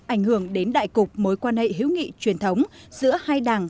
ảnh hưởng đến đại cục mối quan hệ hữu nghị truyền thống giữa hai đảng